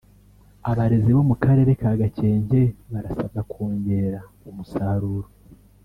Abarezi bo mu Karere ka Gakenke barasabwa kongera umusaruro